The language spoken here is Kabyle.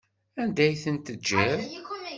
Anda ay ten-tejjiḍ?